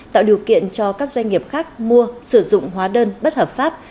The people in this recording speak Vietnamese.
tạo điều kiện cho các doanh nghiệp khác mua sử dụng hóa đơn bất hợp pháp